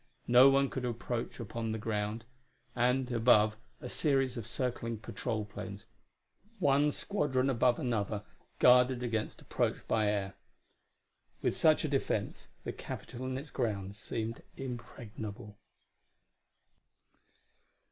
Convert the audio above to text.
No one could approach upon the ground; and, above, a series of circling patrol planes, one squadron above another, guarded against approach by air. With such a defense the Capitol and its grounds seemed impregnable.